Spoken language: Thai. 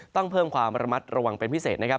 ต้องเพิ่มความระมัดระวังเป็นพิเศษนะครับ